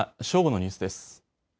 正午のニュースです。